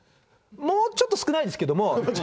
もうちょっと少ないですけど。